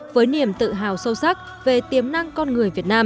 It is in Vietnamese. với niềm tự hào sâu sắc về tiềm năng con người việt nam